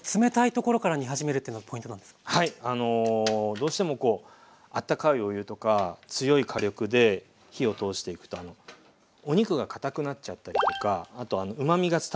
どうしてもあったかいお湯とか強い火力で火を通していくとお肉が堅くなっちゃったりとかあとうまみが伝わりづらいんですね。